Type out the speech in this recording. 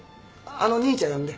あの兄ちゃん呼んで。